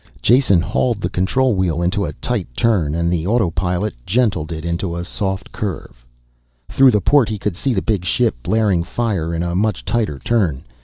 Jason hauled the control wheel into a tight turn and the autopilot gentled it to a soft curve. Through the port he could see the big ship blaring fire in a much tighter turn.